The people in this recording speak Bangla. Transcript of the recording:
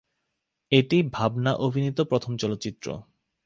এটি ভাবনা অভিনীত প্রথম চলচ্চিত্র।